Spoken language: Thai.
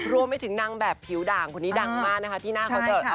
รวมไปถึงนางแบบผิวด่างคนนี้ดังมากนะคะที่หน้าคอนเสิร์ต